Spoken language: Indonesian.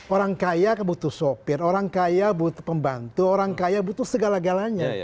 orang kaya butuh sopir orang kaya butuh pembantu orang kaya butuh segala galanya